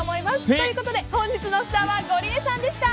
ということで本日のスターはゴリエさんでした。